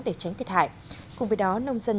để tránh thiệt hại cùng với đó nông dân